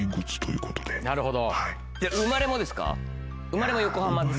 なるほど。